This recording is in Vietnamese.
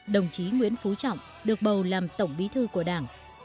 đồng chí nguyễn phú trọng được bầu làm tổng bí thư của đảng